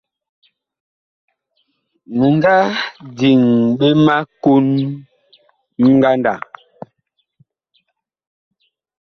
Mi nga diŋ ɓe ma kon ngandag.